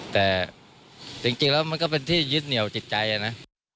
แต่จริงแล้วมันก็เป็นที่ยึดเหนียวจิตใจนะ